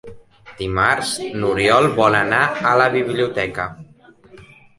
Dimarts n'Oriol vol anar a la biblioteca.